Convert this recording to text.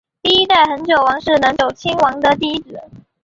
第一代恒久王是能久亲王的第一子。